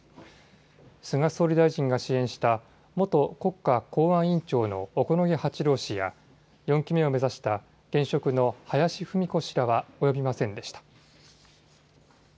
菅総理大臣が支援した元国家公安委員長の小此木八郎氏や４期目を目指した現職の林文子氏らは及びませんでした。